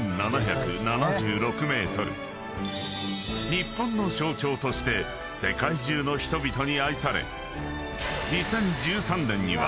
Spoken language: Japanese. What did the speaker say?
［日本の象徴として世界中の人々に愛され］